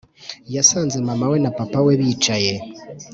yasanze mama we na papa we bicaye